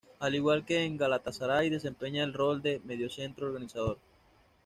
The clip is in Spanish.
Al igual que en el Galatasaray, desempeña el rol de mediocentro organizador.